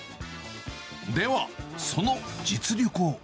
では、その実力を。